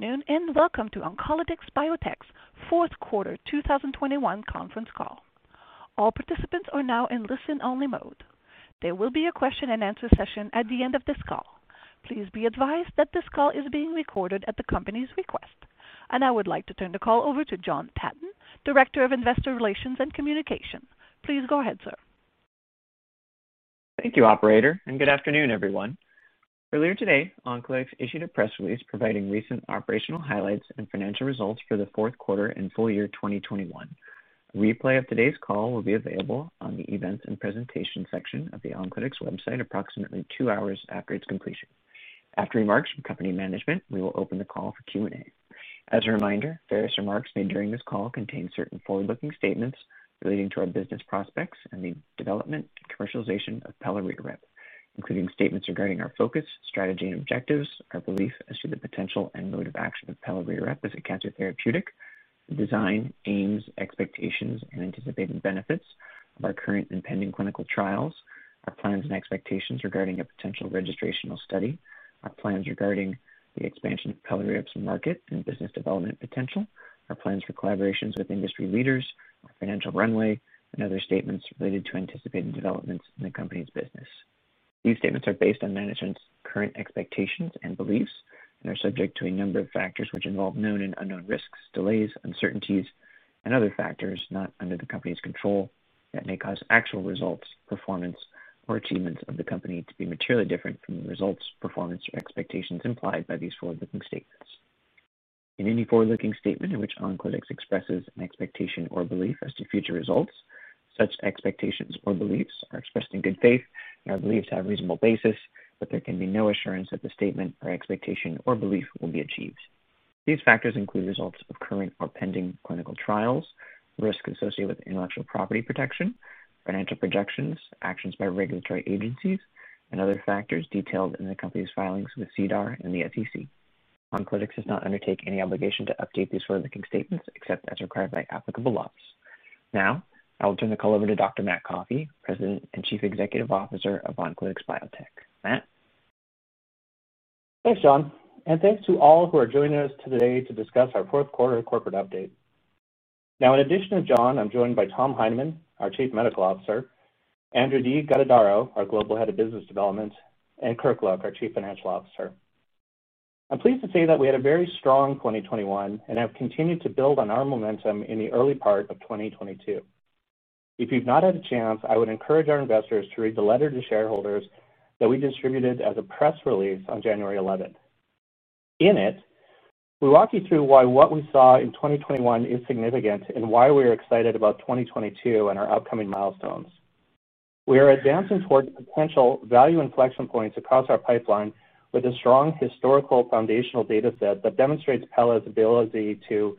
Good afternoon, and welcome to Oncolytics Biotech's fourth quarter 2021 conference call. All participants are now in listen-only mode. There will be a question-and-answer session at the end of this call. Please be advised that this call is being recorded at the company's request. I would like to turn the call over to Jon Patton, Director of Investor Relations and Communications. Please go ahead, sir. Thank you, operator, and good afternoon, everyone. Earlier today, Oncolytics issued a press release providing recent operational highlights and financial results for the fourth quarter and full year 2021. A replay of today's call will be available on the Events and Presentation section of the Oncolytics website approximately two hours after its completion. After remarks from company management, we will open the call for Q&A. As a reminder, various remarks made during this call contain certain forward-looking statements relating to our business prospects and the development and commercialization of pelareorep, including statements regarding our focus, strategy, and objectives, our belief as to the potential and mode of action of pelareorep as a cancer therapeutic, the design, aims, expectations, and anticipated benefits of our current and pending clinical trials, our plans and expectations regarding a potential registrational study, our plans regarding the expansion of pelareorep's market and business development potential, our plans for collaborations with industry leaders, our financial runway, and other statements related to anticipated developments in the company's business. These statements are based on management's current expectations and beliefs and are subject to a number of factors which involve known and unknown risks, delays, uncertainties, and other factors not under the company's control that may cause actual results, performance, or achievements of the company to be materially different from the results, performance, or expectations implied by these forward-looking statements. In any forward-looking statement in which Oncolytics expresses an expectation or belief as to future results, such expectations or beliefs are expressed in good faith and are believed to have reasonable basis, but there can be no assurance that the statement or expectation or belief will be achieved. These factors include results of current or pending clinical trials, risk associated with intellectual property protection, financial projections, actions by regulatory agencies, and other factors detailed in the company's filings with SEDAR and the SEC. Oncolytics does not undertake any obligation to update these forward-looking statements except as required by applicable laws. Now, I will turn the call over to Dr. Matt Coffey, President and Chief Executive Officer of Oncolytics Biotech. Matt? Thanks, Jon, and thanks to all who are joining us today to discuss our fourth quarter corporate update. Now, in addition to Jon, I'm joined by Tom Heineman, our Chief Medical Officer, Andrew de Guttadauro, our Global Head of Business Development, and Kirk Look, our Chief Financial Officer. I'm pleased to say that we had a very strong 2021 and have continued to build on our momentum in the early part of 2022. If you've not had a chance, I would encourage our investors to read the letter to shareholders that we distributed as a press release on January 11th. In it, we walk you through why what we saw in 2021 is significant and why we are excited about 2022 and our upcoming milestones. We are advancing towards potential value inflection points across our pipeline with a strong historical foundational data set that demonstrates pela's ability to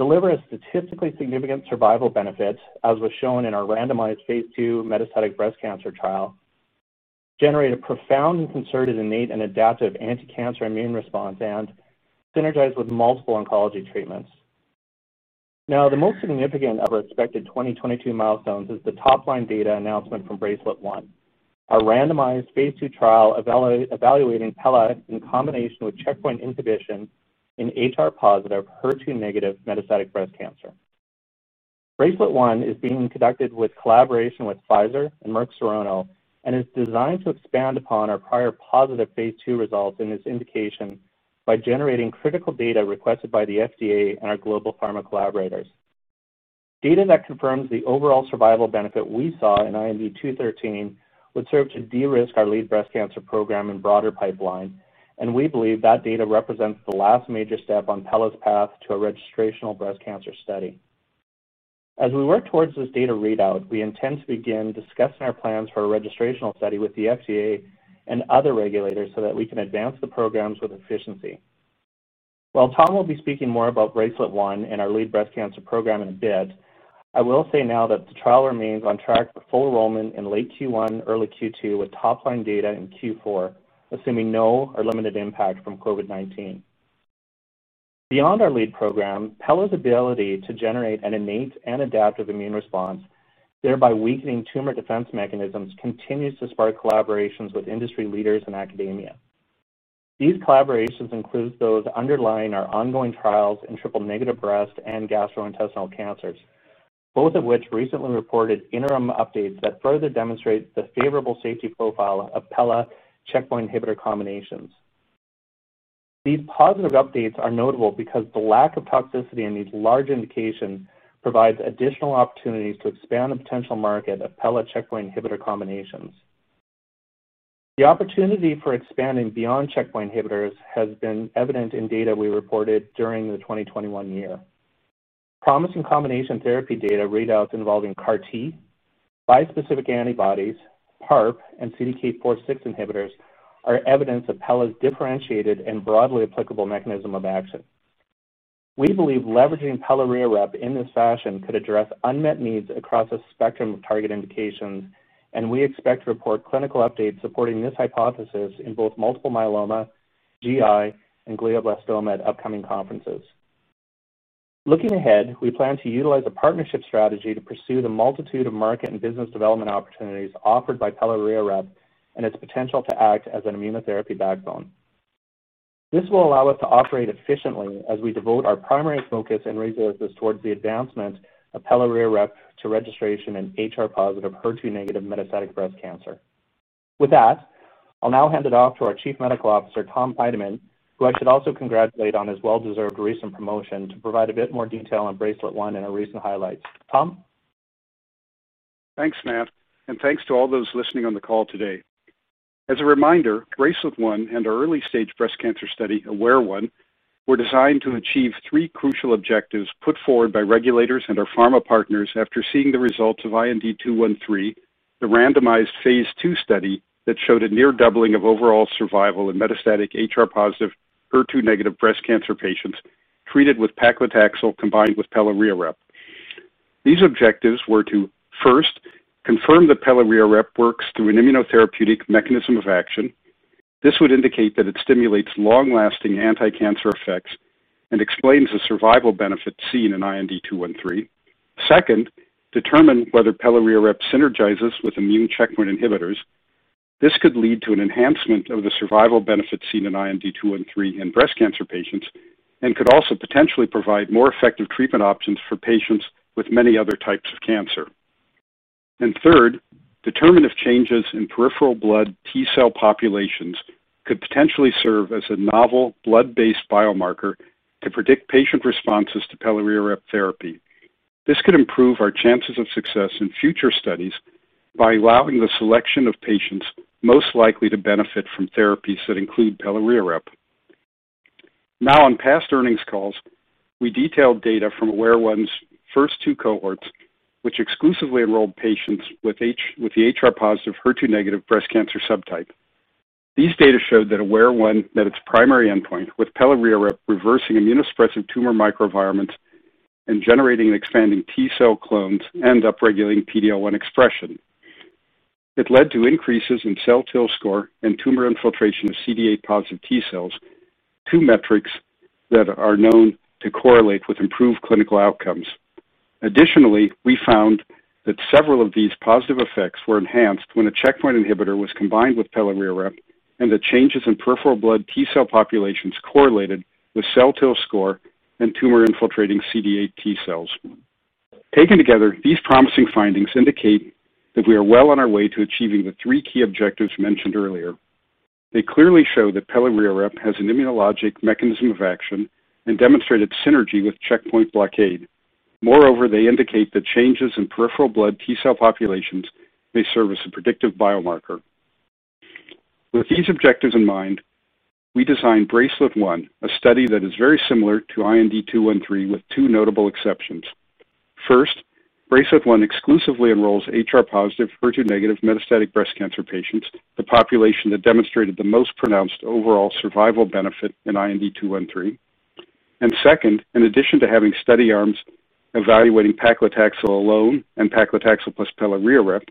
deliver a statistically significant survival benefit, as was shown in our randomized phase II metastatic breast cancer trial, generate a profound and concerted innate and adaptive anticancer immune response, and synergize with multiple oncology treatments. Now, the most significant of our expected 2022 milestones is the top-line data announcement from BRACELET-1, our randomized phase II trial evaluating pela in combination with checkpoint inhibition in HR-positive, HER2-negative metastatic breast cancer. BRACELET-1 is being conducted in collaboration with Pfizer and Merck Serono and is designed to expand upon our prior positive phase II results in its indication by generating critical data requested by the FDA and our global pharma collaborators. Data that confirms the overall survival benefit we saw in IND-213 would serve to de-risk our lead breast cancer program and broader pipeline, and we believe that data represents the last major step on pela's path to a registrational breast cancer study. As we work towards this data readout, we intend to begin discussing our plans for a registrational study with the FDA and other regulators so that we can advance the programs with efficiency. While Tom will be speaking more about BRACELET-1 and our lead breast cancer program in a bit, I will say now that the trial remains on track for full enrollment in late Q1, early Q2, with top line data in Q4, assuming no or limited impact from COVID-19. Beyond our lead program, pela's ability to generate an innate and adaptive immune response, thereby weakening tumor defense mechanisms, continues to spark collaborations with industry leaders in academia. These collaborations include those underlying our ongoing trials in triple-negative breast and gastrointestinal cancers, both of which recently reported interim updates that further demonstrate the favorable safety profile of pela checkpoint inhibitor combinations. These positive updates are notable because the lack of toxicity in these large indications provides additional opportunities to expand the potential market of pela checkpoint inhibitor combinations. The opportunity for expanding beyond checkpoint inhibitors has been evident in data we reported during 2021. Promising combination therapy data readouts involving CAR-T, bispecific antibodies, PARP, and CDK4/6 inhibitors are evidence of pela's differentiated and broadly applicable mechanism of action. We believe leveraging pelareorep in this fashion could address unmet needs across a spectrum of target indications, and we expect to report clinical updates supporting this hypothesis in both multiple myeloma, GI, and glioblastoma at upcoming conferences. Looking ahead, we plan to utilize a partnership strategy to pursue the multitude of market and business development opportunities offered by pelareorep and its potential to act as an immunotherapy backbone. This will allow us to operate efficiently as we devote our primary focus and resources towards the advancement of pelareorep to registration in HR-positive, HER2-negative metastatic breast cancer. With that, I'll now hand it off to our Chief Medical Officer, Tom Heineman, who I should also congratulate on his well-deserved recent promotion, to provide a bit more detail on BRACELET-1 and our recent highlights. Tom? Thanks, Matt, and thanks to all those listening on the call today. As a reminder, BRACELET-1 and our early-stage breast cancer study, AWARE-1, were designed to achieve three crucial objectives put forward by regulators and our pharma partners after seeing the results of IND-213, the randomized phase II study that showed a near doubling of overall survival in metastatic HR-positive, HER2-negative breast cancer patients treated with paclitaxel combined with pelareorep. These objectives were to, first, confirm that pelareorep works through an immunotherapeutic mechanism of action. This would indicate that it stimulates long-lasting anticancer effects and explains the survival benefit seen in IND-213. Second, determine whether pelareorep synergizes with immune checkpoint inhibitors. This could lead to an enhancement of the survival benefit seen in IND-213 in breast cancer patients and could also potentially provide more effective treatment options for patients with many other types of cancer. Third, determine if changes in peripheral blood T-cell populations could potentially serve as a novel blood-based biomarker to predict patient responses to pelareorep therapy. This could improve our chances of success in future studies by allowing the selection of patients most likely to benefit from therapies that include pelareorep. Now, on past earnings calls, we detailed data from AWARE-1's first two cohorts, which exclusively enrolled patients with the HR-positive, HER2-negative breast cancer subtype. These data showed that AWARE-1 met its primary endpoint, with pelareorep reversing immunosuppressive tumor microenvironments and generating and expanding T-cell clones and upregulating PD-L1 expression. It led to increases in CelTIL score and tumor infiltration of CD8+ T-cells, two metrics that are known to correlate with improved clinical outcomes. Additionally, we found that several of these positive effects were enhanced when a checkpoint inhibitor was combined with pelareorep and that changes in peripheral blood T-cell populations correlated with CelTIL score and tumor-infiltrating CD8 T-cells. Taken together, these promising findings indicate that we are well on our way to achieving the three key objectives mentioned earlier. They clearly show that pelareorep has an immunologic mechanism of action and demonstrated synergy with checkpoint blockade. Moreover, they indicate that changes in peripheral blood T-cell populations may serve as a predictive biomarker. With these objectives in mind, we designed BRACELET-1, a study that is very similar to IND-213, with two notable exceptions. First, BRACELET-1 exclusively enrolls HR-positive, HER2-negative metastatic breast cancer patients, the population that demonstrated the most pronounced overall survival benefit in IND-213. Second, in addition to having study arms evaluating paclitaxel alone and paclitaxel plus pelareorep,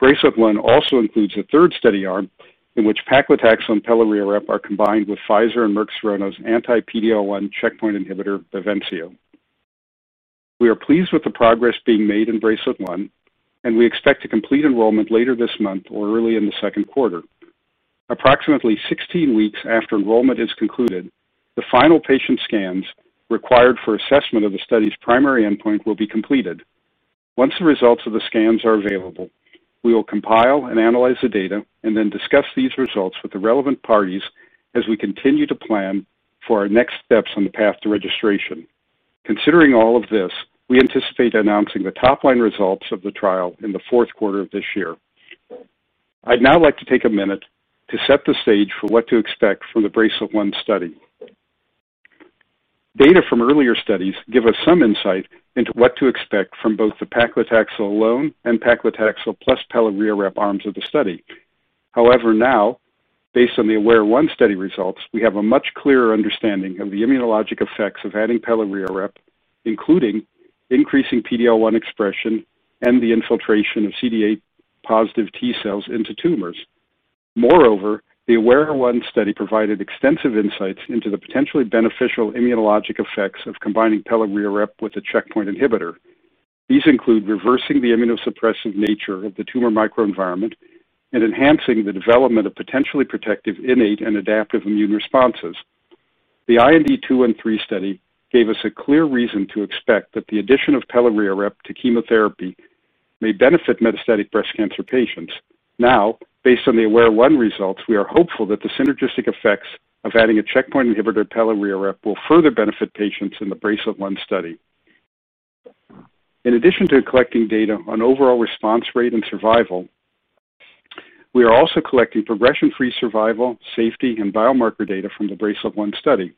BRACELET-1 also includes a third study arm in which paclitaxel and pelareorep are combined with Pfizer and Merck Serono's anti-PD-L1 checkpoint inhibitor, BAVENCIO. We are pleased with the progress being made in BRACELET-1, and we expect to complete enrollment later this month or early in the second quarter. Approximately sixteen weeks after enrollment is concluded, the final patient scans required for assessment of the study's primary endpoint will be completed. Once the results of the scans are available, we will compile and analyze the data and then discuss these results with the relevant parties as we continue to plan for our next steps on the path to registration. Considering all of this, we anticipate announcing the top-line results of the trial in the fourth quarter of this year. I'd now like to take a minute to set the stage for what to expect from the BRACELET-1 study. Data from earlier studies give us some insight into what to expect from both the paclitaxel alone and paclitaxel plus pelareorep arms of the study. However, now, based on the AWARE-1 study results, we have a much clearer understanding of the immunologic effects of adding pelareorep, including increasing PD-L1 expression and the infiltration of CD8+ T-cells into tumors. Moreover, the AWARE-1 study provided extensive insights into the potentially beneficial immunologic effects of combining pelareorep with a checkpoint inhibitor. These include reversing the immunosuppressive nature of the tumor microenvironment and enhancing the development of potentially protective innate and adaptive immune responses. The IND-213 study gave us a clear reason to expect that the addition of pelareorep to chemotherapy may benefit metastatic breast cancer patients. Now, based on the AWARE-1 results, we are hopeful that the synergistic effects of adding a checkpoint inhibitor, pelareorep will further benefit patients in the BRACELET-1 study. In addition to collecting data on overall response rate and survival, we are also collecting progression-free survival, safety, and biomarker data from the BRACELET-1 study.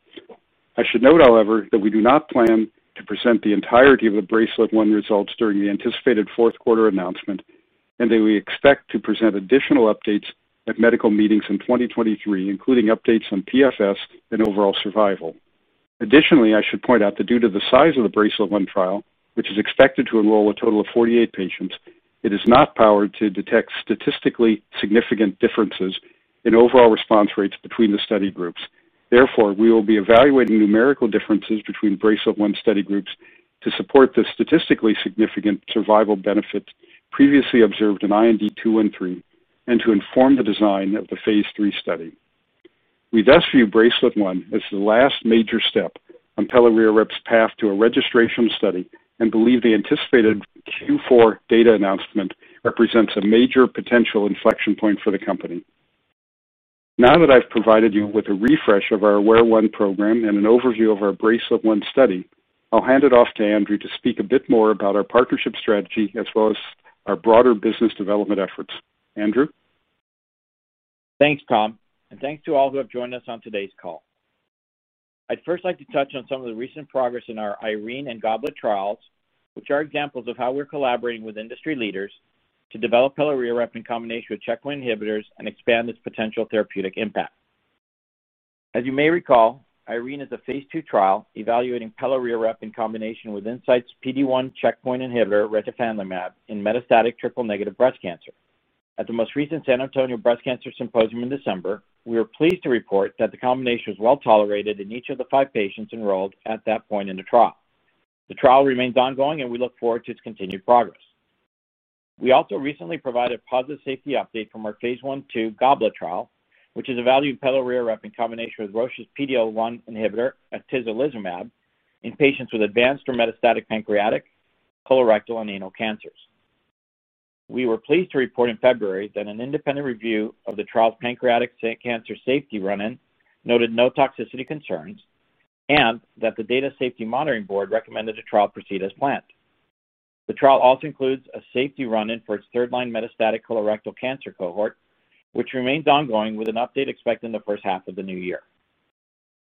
I should note, however, that we do not plan to present the entirety of the BRACELET-1 results during the anticipated fourth quarter announcement and that we expect to present additional updates at medical meetings in 2023, including updates on PFS and overall survival. Additionally, I should point out that due to the size of the BRACELET-1 trial, which is expected to enroll a total of 48 patients, it is not powered to detect statistically significant differences in overall response rates between the study groups. Therefore, we will be evaluating numerical differences between BRACELET-1 study groups to support the statistically significant survival benefit previously observed in IND-213 and to inform the design of the phase III study. We thus view BRACELET-1 as the last major step on pelareorep's path to a registration study and believe the anticipated Q4 data announcement represents a major potential inflection point for the company. Now that I've provided you with a refresh of our AWARE-1 program and an overview of our BRACELET-1 study, I'll hand it off to Andrew to speak a bit more about our partnership strategy as well as our broader business development efforts. Andrew? Thanks, Tom, and thanks to all who have joined us on today's call. I'd first like to touch on some of the recent progress in our IRENE and GOBLET trials, which are examples of how we're collaborating with industry leaders to develop pelareorep in combination with checkpoint inhibitors and expand its potential therapeutic impact. As you may recall, IRENE is a phase II trial evaluating pelareorep in combination with Incyte's PD-1 checkpoint inhibitor, retifanlimab, in metastatic triple-negative breast cancer. At the most recent San Antonio Breast Cancer Symposium in December, we were pleased to report that the combination was well-tolerated in each of the five patients enrolled at that point in the trial. The trial remains ongoing, and we look forward to its continued progress. We also recently provided positive safety update from our phase I/II GOBLET trial, which is evaluating pelareorep in combination with Roche's PD-L1 inhibitor, atezolizumab, in patients with advanced or metastatic pancreatic, colorectal and anal cancers. We were pleased to report in February that an independent review of the trial's pancreatic cancer safety run-in noted no toxicity concerns and that the data safety monitoring board recommended the trial proceed as planned. The trial also includes a safety run-in for its third-line metastatic colorectal cancer cohort, which remains ongoing with an update expected in the first half of the new year.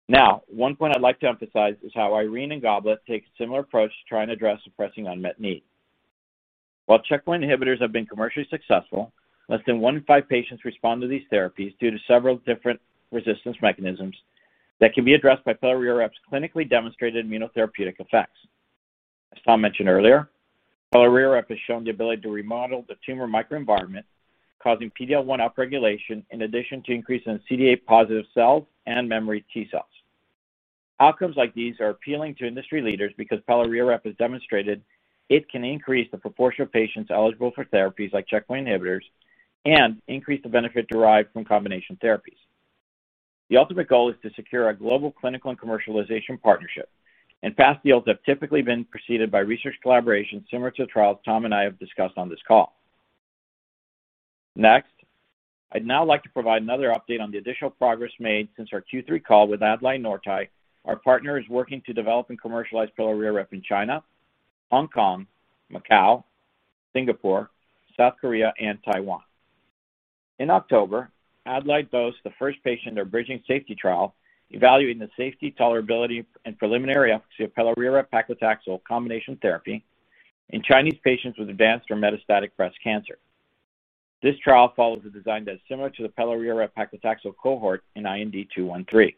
Now, one point I'd like to emphasize is how IRENE and GOBLET take a similar approach to try and address the pressing unmet need. While checkpoint inhibitors have been commercially successful, less than one in five patients respond to these therapies due to several different resistance mechanisms that can be addressed by pelareorep's clinically demonstrated immunotherapeutic effects. As Tom mentioned earlier, pelareorep has shown the ability to remodel the tumor microenvironment, causing PD-L1 upregulation in addition to increase in CD8+ cells and memory T-cells. Outcomes like these are appealing to industry leaders because pelareorep has demonstrated it can increase the proportion of patients eligible for therapies like checkpoint inhibitors and increase the benefit derived from combination therapies. The ultimate goal is to secure a global clinical and commercialization partnership, and past deals have typically been preceded by research collaborations similar to the trials Tom and I have discussed on this call. Next, I'd now like to provide another update on the additional progress made since our Q3 call with Adlai Nortye, our partner, is working to develop and commercialize pelareorep in China, Hong Kong, Macau, Singapore, South Korea, and Taiwan. In October, Adlai dosed the first patient in a bridging safety trial, evaluating the safety, tolerability, and preliminary efficacy of pelareorep paclitaxel combination therapy in Chinese patients with advanced or metastatic breast cancer. This trial follows a design that is similar to the pelareorep paclitaxel cohort in IND-213.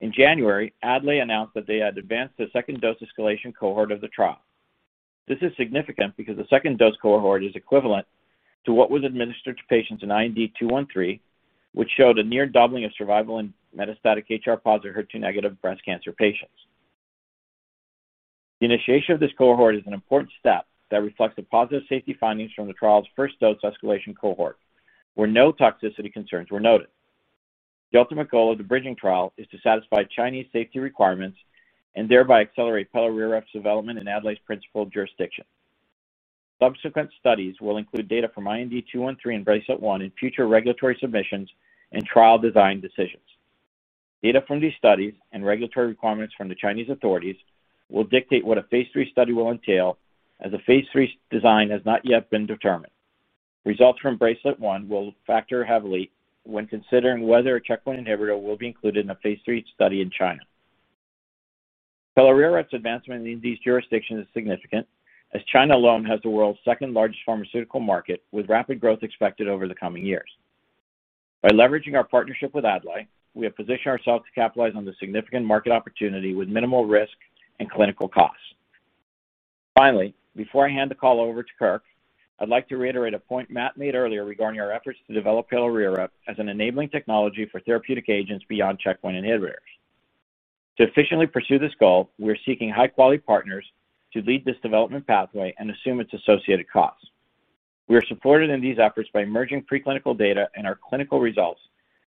In January, Adlai announced that they had advanced to second-dose escalation cohort of the trial. This is significant because the second dose cohort is equivalent to what was administered to patients in IND-213, which showed a near doubling of survival in metastatic HR-positive, HER2-negative breast cancer patients. The initiation of this cohort is an important step that reflects the positive safety findings from the trial's first dose escalation cohort, where no toxicity concerns were noted. The ultimate goal of the bridging trial is to satisfy Chinese safety requirements and thereby accelerate pelareorep's development in Adlai Nortye's principal jurisdiction. Subsequent studies will include data from IND-213 and BRACELET-1 in future regulatory submissions and trial design decisions. Data from these studies and regulatory requirements from the Chinese authorities will dictate what a phase III study will entail, as a phase III design has not yet been determined. Results from BRACELET-1 will factor heavily when considering whether a checkpoint inhibitor will be included in a phase III study in China. Pelareorep's advancement in these jurisdictions is significant, as China alone has the world's second-largest pharmaceutical market, with rapid growth expected over the coming years. By leveraging our partnership with Adlai Nortye, we have positioned ourselves to capitalize on the significant market opportunity with minimal risk and clinical costs. Finally, before I hand the call over to Kirk, I'd like to reiterate a point Matt made earlier regarding our efforts to develop pelareorep as an enabling technology for therapeutic agents beyond checkpoint inhibitors. To efficiently pursue this goal, we are seeking high-quality partners to lead this development pathway and assume its associated costs. We are supported in these efforts by merging preclinical data and our clinical results,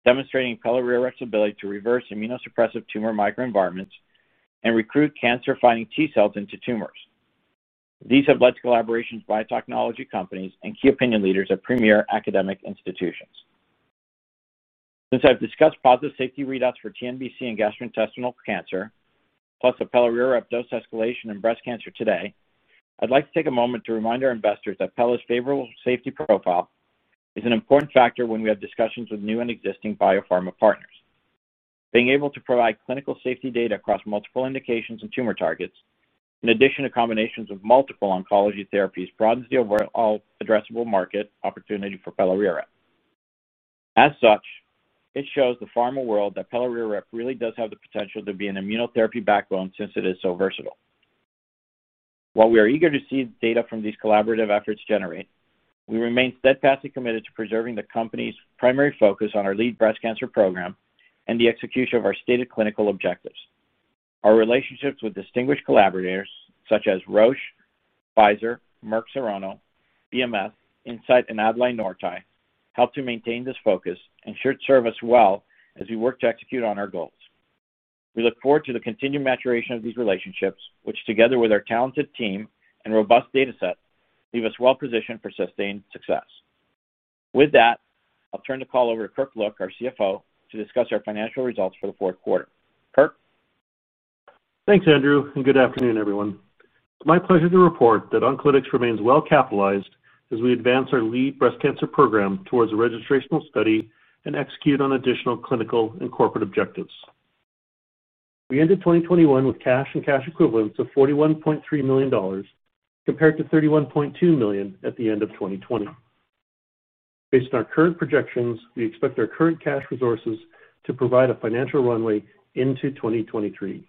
demonstrating pelareorep's ability to reverse immunosuppressive tumor microenvironments and recruit cancer-fighting T-cells into tumors. These have led to collaborations by technology companies and key opinion leaders at premier academic institutions. Since I've discussed positive safety readouts for TNBC and gastrointestinal cancer, plus the pelareorep dose escalation in breast cancer today, I'd like to take a moment to remind our investors that pela's favorable safety profile is an important factor when we have discussions with new and existing biopharma partners. Being able to provide clinical safety data across multiple indications and tumor targets, in addition to combinations of multiple oncology therapies, broadens the overall addressable market opportunity for pelareorep. As such, it shows the pharma world that pelareorep really does have the potential to be an immunotherapy backbone since it is so versatile. While we are eager to see the data from these collaborative efforts generate, we remain steadfastly committed to preserving the company's primary focus on our lead breast cancer program and the execution of our stated clinical objectives. Our relationships with distinguished collaborators such as Roche, Pfizer, Merck Serono, BMS, Incyte, and Adlai Nortye help to maintain this focus and should serve us well as we work to execute on our goals. We look forward to the continued maturation of these relationships, which, together with our talented team and robust data set, leave us well-positioned for sustained success. With that, I'll turn the call over to Kirk Look, our CFO, to discuss our financial results for the fourth quarter. Kirk? Thanks, Andrew, and good afternoon, everyone. It's my pleasure to report that Oncolytics remains well-capitalized as we advance our lead breast cancer program towards a registrational study and execute on additional clinical and corporate objectives. We ended 2021 with cash and cash equivalents of $41.3 million, compared to $31.2 million at the end of 2020. Based on our current projections, we expect our current cash resources to provide a financial runway into 2023,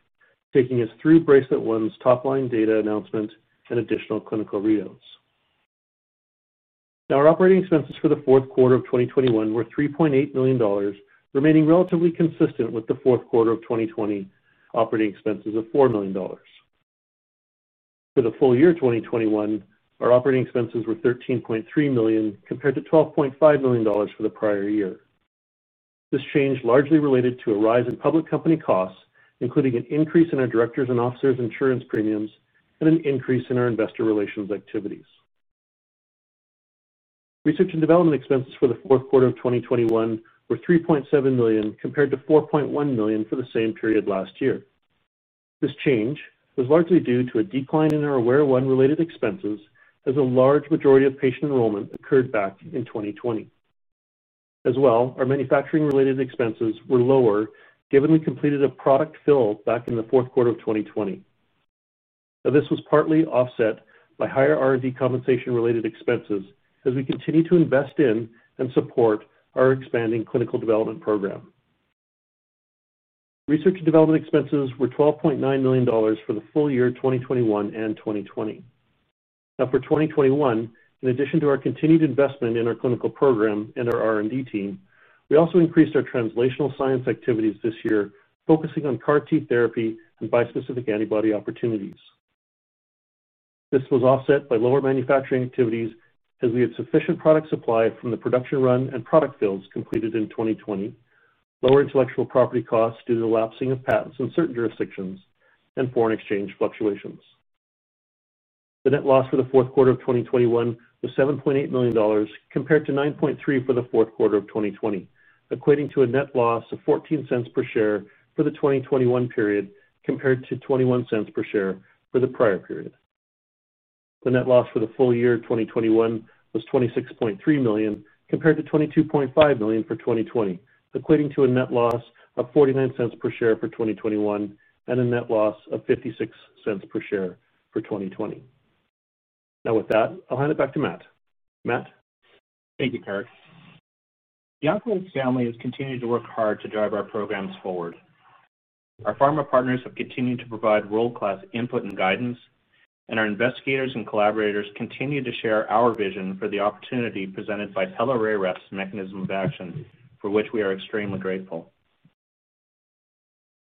taking us through BRACELET-1's top-line data announcement and additional clinical readouts. Our operating expenses for the fourth quarter of 2021 were $3.8 million, remaining relatively consistent with the fourth quarter of 2020 operating expenses of $4 million. For the full year 2021, our operating expenses were $13.3 million compared to $12.5 million for the prior year. This change largely related to a rise in public company costs, including an increase in our directors' and officers' insurance premiums and an increase in our investor relations activities. Research and development expenses for the fourth quarter of 2021 were $3.7 million compared to $4.1 million for the same period last year. This change was largely due to a decline in our AWARE-1 related expenses, as a large majority of patient enrollment occurred back in 2020. As well, our manufacturing-related expenses were lower given we completed a product fill back in the fourth quarter of 2020. Now, this was partly offset by higher R&D compensation-related expenses as we continue to invest in and support our expanding clinical development program. Research and development expenses were $12.9 million for the full year 2021 and 2020. For 2021, in addition to our continued investment in our clinical program and our R&D team, we also increased our translational science activities this year, focusing on CAR-T therapy and bispecific antibody opportunities. This was offset by lower manufacturing activities as we had sufficient product supply from the production run and product fills completed in 2020, lower intellectual property costs due to the lapsing of patents in certain jurisdictions, and foreign exchange fluctuations. The net loss for the fourth quarter of 2021 was $7.8 million compared to $9.3 million for the fourth quarter of 2020, equating to a net loss of $0.14 per share for the 2021 period compared to $0.21 per share for the prior period. The net loss for the full year of 2021 was 26.3 million compared to 22.5 million for 2020, equating to a net loss of 0.49 per share for 2021 and a net loss of 0.56 per share for 2020. Now with that, I'll hand it back to Matt. Matt? Thank you, Kirk. The Oncolytics family has continued to work hard to drive our programs forward. Our pharma partners have continued to provide world-class input and guidance, and our investigators and collaborators continue to share our vision for the opportunity presented by pelareorep's mechanism of action, for which we are extremely grateful.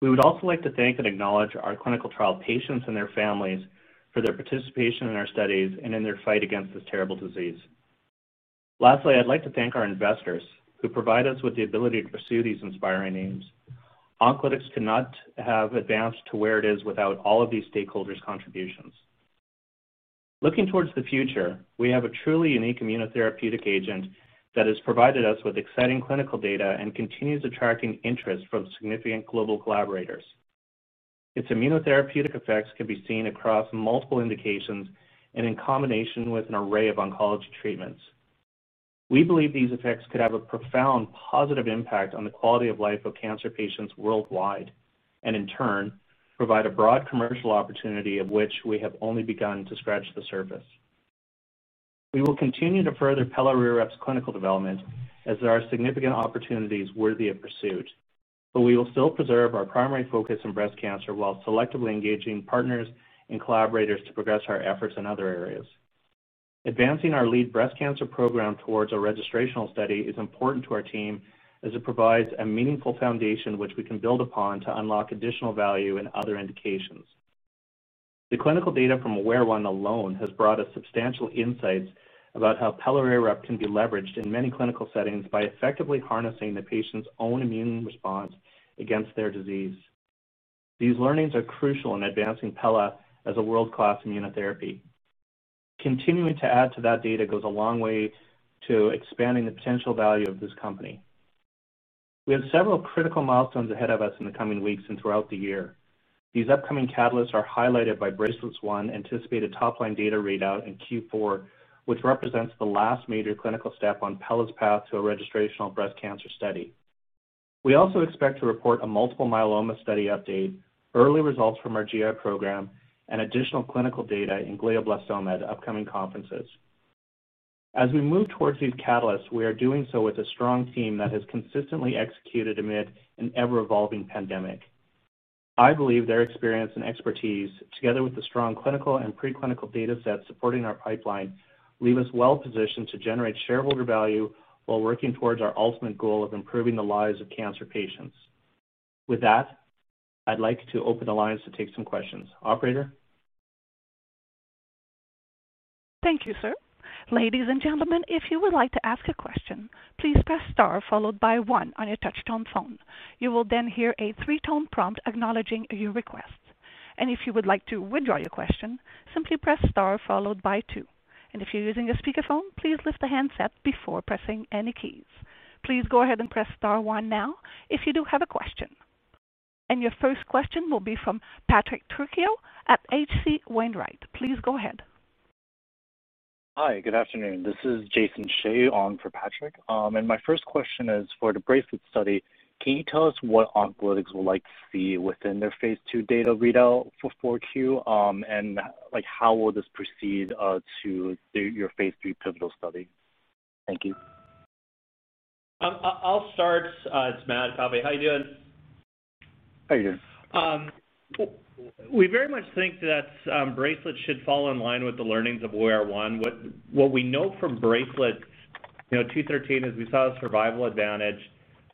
We would also like to thank and acknowledge our clinical trial patients and their families for their participation in our studies and in their fight against this terrible disease. Lastly, I'd like to thank our investors who provide us with the ability to pursue these inspiring aims. Oncolytics could not have advanced to where it is without all of these stakeholders' contributions. Looking towards the future, we have a truly unique immunotherapeutic agent that has provided us with exciting clinical data and continues attracting interest from significant global collaborators. Its immunotherapeutic effects can be seen across multiple indications and in combination with an array of oncology treatments. We believe these effects could have a profound positive impact on the quality of life of cancer patients worldwide and in turn provide a broad commercial opportunity of which we have only begun to scratch the surface. We will continue to further pelareorep's clinical development as there are significant opportunities worthy of pursuit, but we will still preserve our primary focus in breast cancer while selectively engaging partners and collaborators to progress our efforts in other areas. Advancing our lead breast cancer program towards a registrational study is important to our team as it provides a meaningful foundation which we can build upon to unlock additional value in other indications. The clinical data from AWARE-1 alone has brought us substantial insights about how pelareorep can be leveraged in many clinical settings by effectively harnessing the patient's own immune response against their disease. These learnings are crucial in advancing pela as a world-class immunotherapy. Continuing to add to that data goes a long way to expanding the potential value of this company. We have several critical milestones ahead of us in the coming weeks and throughout the year. These upcoming catalysts are highlighted by BRACELET-1 anticipated top-line data readout in Q4, which represents the last major clinical step on pela's path to a registrational breast cancer study. We also expect to report a multiple myeloma study update, early results from our GI program, and additional clinical data in glioblastoma at upcoming conferences. As we move towards these catalysts, we are doing so with a strong team that has consistently executed amid an ever-evolving pandemic. I believe their experience and expertise, together with the strong clinical and pre-clinical data set supporting our pipeline, leave us well positioned to generate shareholder value while working towards our ultimate goal of improving the lives of cancer patients. With that, I'd like to open the lines to take some questions. Operator? Thank you, sir. Ladies and gentlemen, if you would like to ask a question, please press star followed by one on your touch-tone phone. You will then hear a three-tone prompt acknowledging your request. If you would like to withdraw your question, simply press star followed by two. If you're using a speakerphone, please lift the handset before pressing any keys. Please go ahead and press star one now if you do have a question. Your first question will be from Patrick Trucchio at H.C. Wainwright. Please go ahead. Hi, good afternoon. This is Jason Shea on for Patrick. My first question is for the BRACELET-1 study. Can you tell us what Oncolytics would like to see within their phase II data readout for Q4? Like, how will this proceed to your phase III pivotal study? Thank you. I'll start. It's Matt. How you doing? How you doing? We very much think that BRACELET-1 should fall in line with the learnings of AWARE-1. What we know from BRACELET-1, you know, IND-213, is we saw a survival advantage.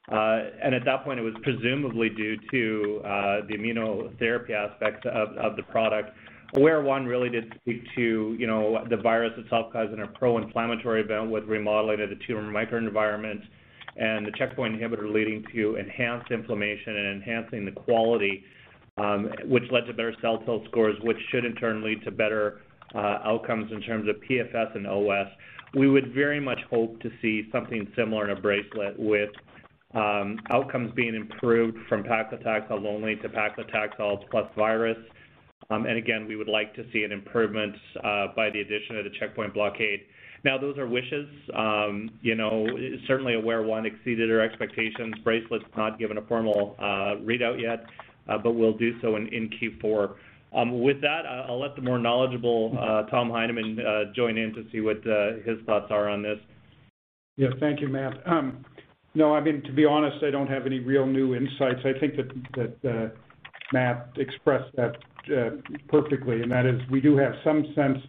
At that point, it was presumably due to the immunotherapy aspects of the product. AWARE-1 really did speak to, you know, the virus itself causing a pro-inflammatory event with remodeling of the tumor microenvironment and the checkpoint inhibitor leading to enhanced inflammation and enhancing the quality, which led to better CelTIL scores, which should in turn lead to better outcomes in terms of PFS and OS. We would very much hope to see something similar in a BRACELET-1 with outcomes being improved from paclitaxel only to paclitaxel plus virus. Again, we would like to see an improvement by the addition of the checkpoint blockade. Now, those are wishes. You know, certainly AWARE-1 exceeded our expectations. BRACELET-1's not given a formal readout yet, but we'll do so in Q4. With that, I'll let the more knowledgeable Tom Heineman join in to see what his thoughts are on this. Yeah. Thank you, Matt. No, I mean, to be honest, I don't have any real new insights. I think that Matt expressed that perfectly, and that is we do have some sense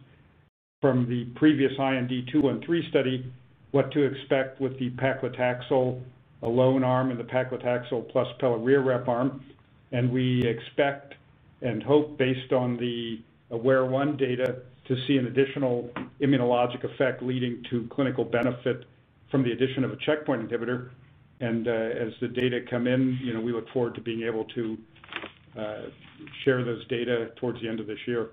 from the previous IND-213 study what to expect with the paclitaxel alone arm and the paclitaxel plus pelareorep arm. We expect and hope, based on the AWARE-1 data, to get an additional immunologic effect leading to clinical benefit from the addition of a checkpoint inhibitor. As the data come in, you know, we look forward to being able to share those data towards the end of this year.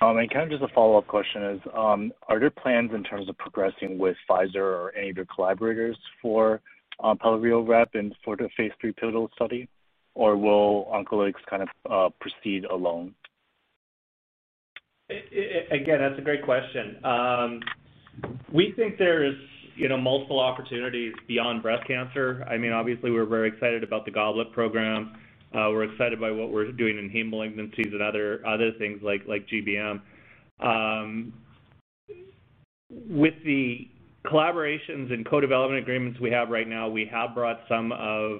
Kind of just a follow-up question is, are there plans in terms of progressing with Pfizer or any of your collaborators for pelareorep and for the phase III pivotal study? Or will Oncolytics kind of proceed alone? Again, that's a great question. We think there's, you know, multiple opportunities beyond breast cancer. I mean, obviously we're very excited about the GOBLET program. We're excited by what we're doing in heme malignancies and other things like GBM. With the collaborations and co-development agreements we have right now, we have brought some of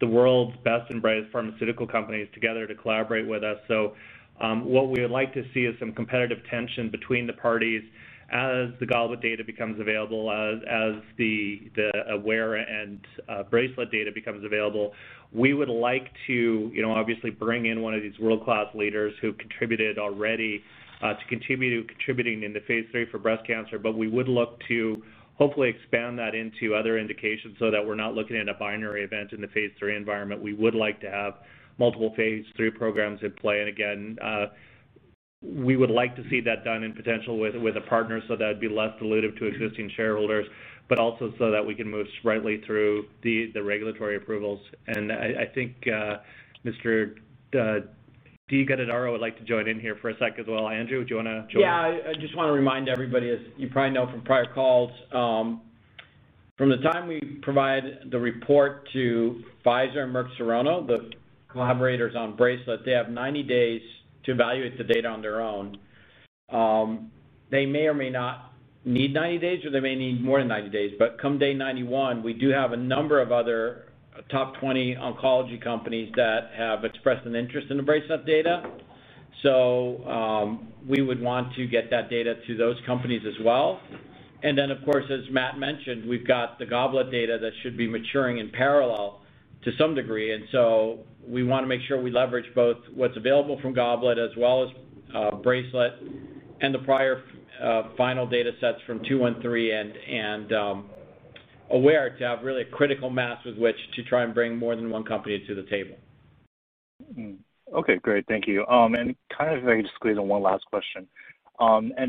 the world's best and brightest pharmaceutical companies together to collaborate with us. What we would like to see is some competitive tension between the parties. As the GOBLET data becomes available, as the AWARE and BRACELET data becomes available, we would like to, you know, obviously bring in one of these world-class leaders who contributed already to continue contributing in the phase III for breast cancer. We would look to hopefully expand that into other indications so that we're not looking at a binary event in the phase III environment. We would like to have multiple phase III programs at play. Again, we would like to see that done potentially with a partner so that'd be less dilutive to existing shareholders, but also so that we can move rapidly through the regulatory approvals. I think Mr. de Guttadauro would like to join in here for a sec as well. Andrew, do you wanna join in? Yeah. I just want to remind everybody, as you probably know from prior calls, from the time we provide the report to Pfizer and Merck Serono, the collaborators on BRACELET, they have 90 days to evaluate the data on their own. They may or may not need 90 days, or they may need more than 90 days. Come day 91, we do have a number of other top 20 oncology companies that have expressed an interest in the BRACELET data. We would want to get that data to those companies as well. Of course, as Matt mentioned, we've got the GOBLET data that should be maturing in parallel to some degree. We wanna make sure we leverage both what's available from GOBLET as well as BRACELET and the prior final data sets from 213 and AWARE to have really a critical mass with which to try and bring more than one company to the table. Okay, great. Thank you. Kind of if I could squeeze in one last question,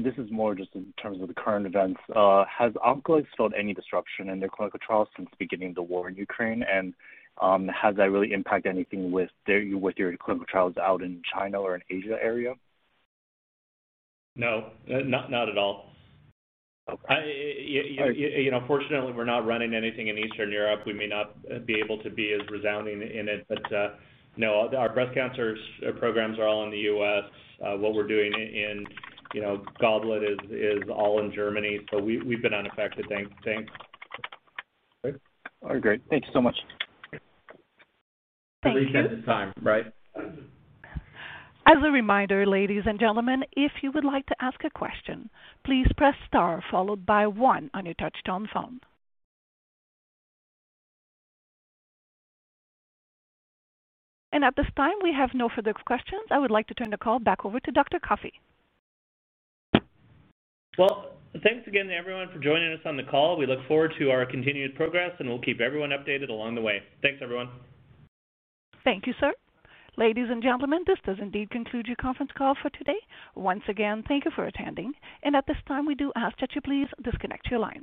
this is more just in terms of the current events. Has Oncolytics felt any disruption in their clinical trials since the beginning of the war in Ukraine? Has that really impacted anything with your clinical trials out in China or in Asia area? No. Not at all. Okay. All right. You know, fortunately, we're not running anything in Eastern Europe. We may not be able to be as resounding in it, but no, our breast cancer programs are all in the U.S. What we're doing in, you know, GOBLET is all in Germany. We've been unaffected. Thanks. Great. All right, great. Thank you so much. Thank you. Appreciate the time. Right. As a reminder, ladies and gentlemen, if you would like to ask a question, please press star followed by one on your touchtone phone. At this time, we have no further questions. I would like to turn the call back over to Dr. Coffey. Well, thanks again to everyone for joining us on the call. We look forward to our continued progress, and we'll keep everyone updated along the way. Thanks, everyone. Thank you, sir. Ladies and gentlemen, this does indeed conclude your conference call for today. Once again, thank you for attending. At this time, we do ask that you please disconnect your lines.